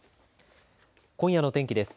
今夜の天気です。